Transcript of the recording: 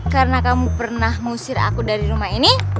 karena kamu pernah mengusir aku dari rumah ini